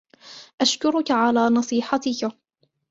أشكرك على نصيحتك.